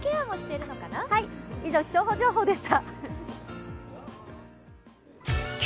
以上、気象情報でした。